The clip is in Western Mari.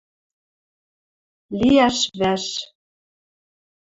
Лиӓш вӓш